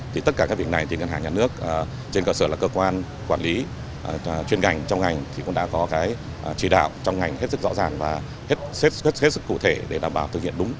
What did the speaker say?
thì tất cả các việc này thì ngân hàng nhà nước trên cơ sở là cơ quan quản lý chuyên ngành trong ngành thì cũng đã có cái chỉ đạo trong ngành hết sức rõ ràng và hết sức cụ thể để đảm bảo thực hiện đúng